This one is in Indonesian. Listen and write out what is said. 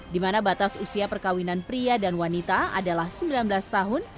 di mana batas usia perkawinan pria dan wanita adalah sembilan belas tahun